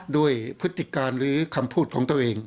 พฤติการหรือคำพูดของตัวเอง